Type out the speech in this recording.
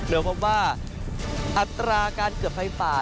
เดี๋ยวเพราะว่าอัตราการเกิดไฟป่า